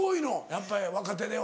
やっぱり若手では。